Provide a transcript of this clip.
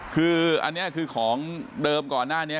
คืออันนี้คือของเดิมก่อนหน้านี้